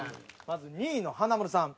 まず２位の華丸さん。